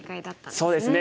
そうですね。